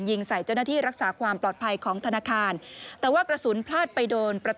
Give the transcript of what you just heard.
ยิงใส่เจ้าหน้าที่รักษาความปลอดภัยของธนาคาร